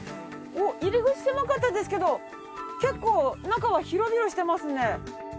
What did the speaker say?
おっ入り口狭かったですけど結構中は広々してますね。